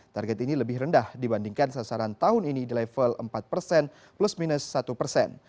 target ini lebih rendah dibandingkan sasaran tahun ini di level empat persen plus minus satu persen